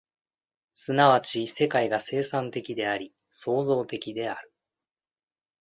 即ち世界が生産的であり、創造的である。